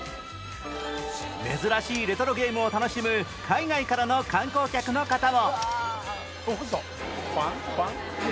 珍しいレトロゲームを楽しむ海外からの観光客の方も